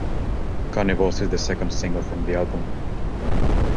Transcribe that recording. "Cannibals" is the second single from the album.